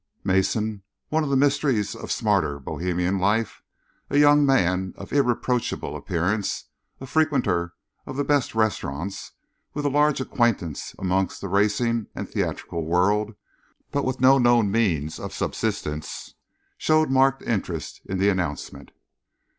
Mason, one of the mysteries of smarter Bohemian life, a young man of irreproachable appearance, a frequenter of the best restaurants, with a large acquaintance amongst the racing and theatrical world but with no known means of subsistence, showed marked interest in the announcement.